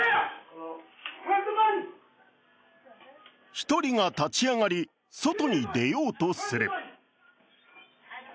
１人が立ち上がり、外に出ようとする。